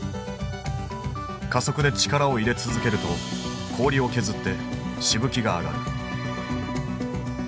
加速で力を入れ続けると氷を削ってしぶきが上がる。